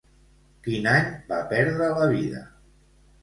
Quin any va perdre la vida?